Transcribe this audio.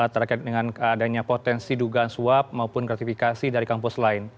terkait dengan adanya potensi dugaan suap maupun gratifikasi dari kampus lain